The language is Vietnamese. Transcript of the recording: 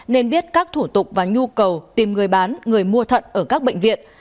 nên biết các thủ tục và nhu cầu tìm người bán người mua thận ở các bệnh viện